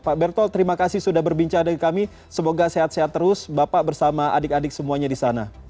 pak berto terima kasih sudah berbincang dengan kami semoga sehat sehat terus bapak bersama adik adik semuanya di sana